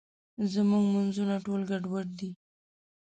زموږ مونځونه ټول ګډوډ دي.